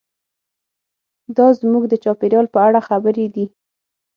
دا زموږ د چاپیریال په اړه خبرې دي.